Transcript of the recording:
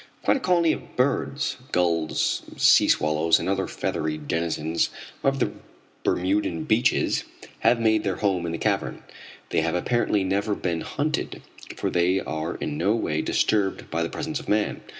Quite a colony of birds gulls, sea swallows and other feathery denizens of the Bermudan beaches have made their home in the cavern. They have apparently never been hunted, for they are in no way disturbed by the presence of man.